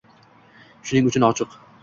Shuning uchun ochiq